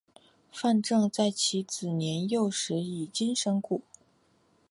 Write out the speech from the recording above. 范正在其子年幼时已经身故。